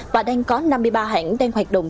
và đang có năm mươi ba hãng đang hoạt động